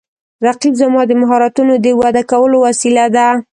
رقیب زما د مهارتونو د وده کولو وسیله ده